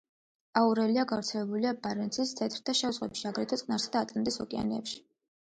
აურელია გავრცელებულია ბარენცის, თეთრ და შავ ზღვებში, აგრეთვე წყნარსა და ატლანტის ოკეანეებში.